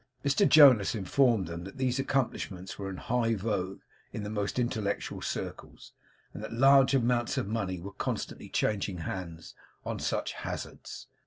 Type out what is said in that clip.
Mr Jonas informed them that these accomplishments were in high vogue in the most intellectual circles, and that large amounts were constantly changing hands on such hazards.